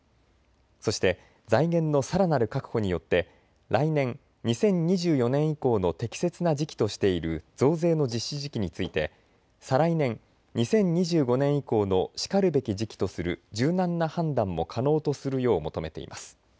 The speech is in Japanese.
そして財源のさらなる確保によって来年２０２４年以降の適切な時期としている増税の実施時期について再来年２０２５年以降のしかるべき時期とする柔軟な判断も可能とするよう求めています。